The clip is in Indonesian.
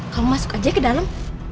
kamu masuk aja ke dalam